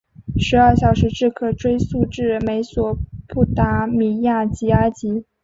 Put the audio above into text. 十二小时制可追溯至美索不达米亚及埃及。